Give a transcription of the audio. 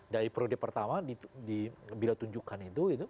dari periode pertama bila tunjukkan itu